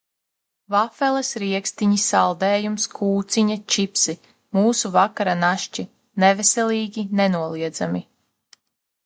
Vafeles, riekstiņi, saldējums, kūciņa, čipši - mūsu vakara našķi, neveselīgi nenoliedzami.